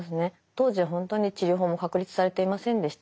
当時本当に治療法も確立されていませんでした。